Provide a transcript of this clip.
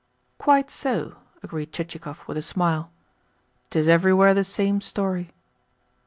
"Quite so," agreed Chichikov with a smile. "'Tis everywhere the same story."